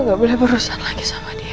lo gak boleh berusaha lagi sama dia